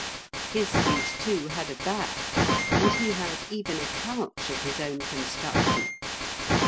His seat, too, had a back, and he had even a couch of his own construction.